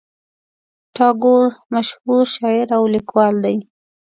ټاګور مشهور شاعر او لیکوال دی.